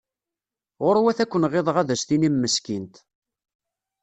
Ɣurwat ad ken-ɣiḍeɣ ad as-tinim meskint.